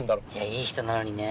いい人なのにね。